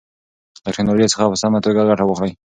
له ټیکنالوژۍ څخه په سمه توګه ګټه واخلئ.